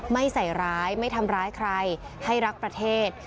ไม่ใส่ร้ายไม่ทำร้ายใครให้รักประเทศ